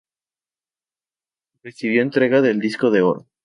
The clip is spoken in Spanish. Recibió entrega del disco de oro.